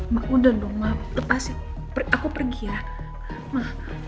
ma udah dong lepas ya aku pergi ya ma